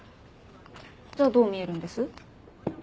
じゃあどう見えるんです？